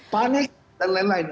panik dan lain lain